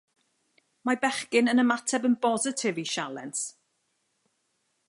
Mae bechgyn yn ymateb yn bositif i sialens